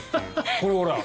これ、ほら。